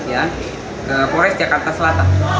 ya kores jakarta selatan